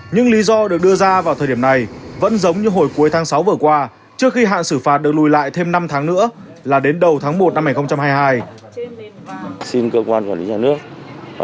những lý do được đưa ra vào thời điểm này vẫn giống như hồi cuối tháng sáu vừa qua trước khi hạn xử phạt được lùi lại thêm năm tháng nữa là đến đầu tháng một năm hai nghìn hai mươi hai